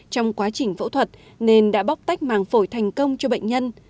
trong quá trình phẫu thuật nên đã bóc tách màng phổi thành công cho bệnh nhân